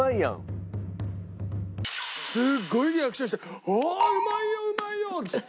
すごいリアクションして「おおうまいようまいよ」っつって。